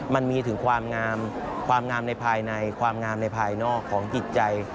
มันมีถึงความงามในภายในความงามในภายนอกของจิตใจ